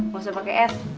gak usah pake es